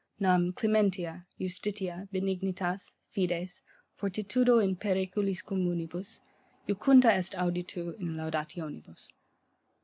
Nam clementia, justitia, benignitas, fides, fortitudo in periculis communibus, jucunda est auditu in laudationibus.